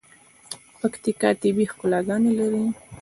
پکیتکا طبیعی ښکلاګاني لري.